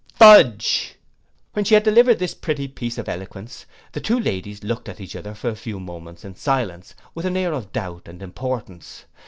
Fudge! When she had delivered this pretty piece of eloquence, the two ladies looked at each other a few minutes in silence, with an air of doubt and importance.